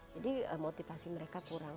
jadi motivasi mereka kurang